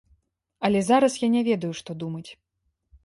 Але зараз я не ведаю, што думаць.